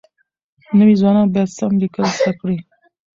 نوي ځوانان بايد سم ليکل زده کړي.